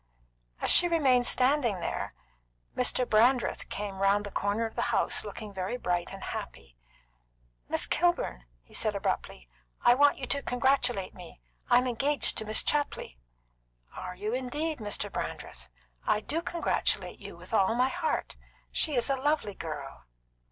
As she remained standing there, Mr. Brandreth came round the corner of the house, looking very bright and happy. "Miss Kilburn," he said abruptly, "I want you to congratulate me. I'm engaged to Miss Chapley." "Are you indeed, Mr. Brandreth? I do congratulate you with all my heart. She is a lovely girl."